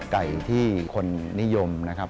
ไก่ที่คนนิยมนะครับ